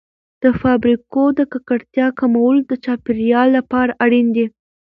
د فابریکو د ککړتیا کمول د چاپیریال لپاره اړین دي.